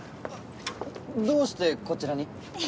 どうしてこちらに？